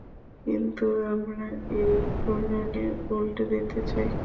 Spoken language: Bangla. কিন্তু আমরা এই প্রণালী উল্টে দিতে চাই।